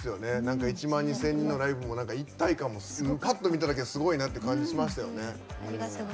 １万２０００人のライブも一体感もぱっと見ただけですごいなって感じしましたよね。